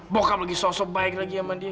bukan lagi sosok baik lagi sama dia